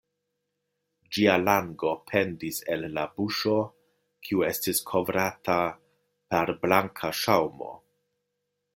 Ĝia lango pendis el la buŝo, kiu estis kovrata per blanka ŝaŭmo.